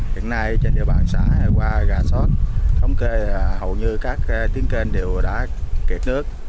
hiện nay trên địa bàn xã qua gà sót thống kê hầu như các tuyến kênh đều đã kẹt nước